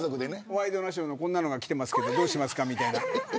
ワイドナショーのこんなのがきてますけどどうしますかみたいな。